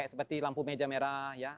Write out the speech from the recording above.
seperti lampu meja merah ya